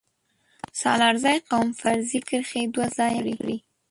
سلارزی قوم فرضي کرښې دوه ځايه کړي